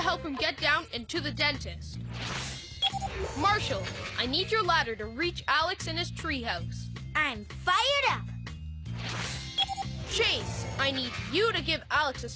チェイス！